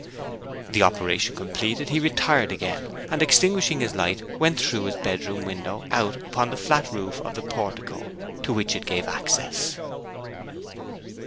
The operation completed he retired again, and, extinguishing his light, went through his bedroom window out upon the flat roof of the portico to which it gave access.